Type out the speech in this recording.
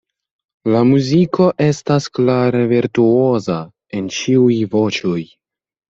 La muziko estas klare ‘virtuoza’ en ĉiuj voĉoj.